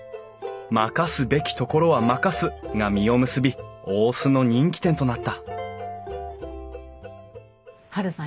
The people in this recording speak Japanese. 「任すべきところは任す」が実を結び大須の人気店となったハルさん